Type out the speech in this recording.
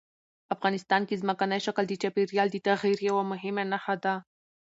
افغانستان کې ځمکنی شکل د چاپېریال د تغیر یوه مهمه نښه ده.